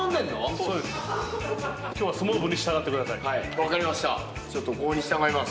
分かりました。